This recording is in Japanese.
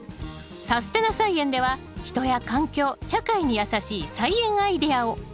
「さすてな菜園」では人や環境社会にやさしい菜園アイデアを！